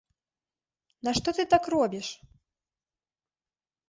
Нашто ты так робіш?